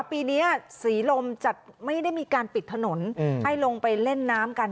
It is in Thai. ปีนี้ศรีลมจัดไม่ได้มีการปิดถนนให้ลงไปเล่นน้ำกัน